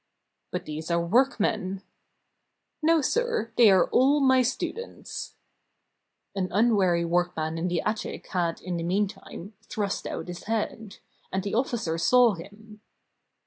"But these are workmen " "No, sir; they are all my students! " An unwary workman in the attic had, in the mean time, thrust out his head; and the offi cer saw him.